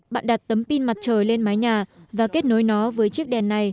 bạn đặt tấm pin mặt trời lên mái nhà và kết nối nó với chiếc đèn này